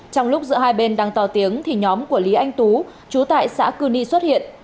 trong lúc giữa hai bên đang to tiếng thì nhóm của lý anh tú chú tại xã cư ni xuất hiện